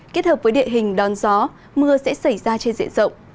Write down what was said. kết hợp với địa hình đón gió mưa sẽ xảy ra trên diện rộng